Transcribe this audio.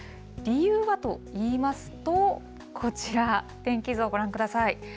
理由はといいますと、こちら、天気図をご覧ください。